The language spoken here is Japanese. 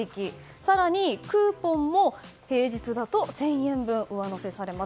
更に、クーポンも平日だと１０００円分上乗せされます。